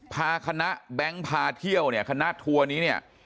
พาคณะแบงค์พาเที่ยวเนี่ยคณะทัวร์นี้เนี่ย